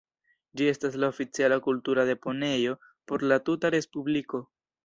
Ĝi estas la oficiala kultura deponejo por la tuta respubliko.